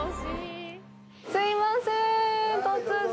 すいません、突然。